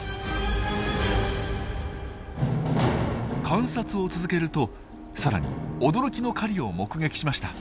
観察を続けるとさらに驚きの狩りを目撃しました。